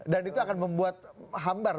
dan itu akan membuat hambar